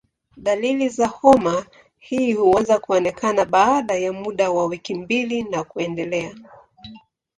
Dalili za homa hii huanza kuonekana baada ya muda wa wiki mbili na kuendelea.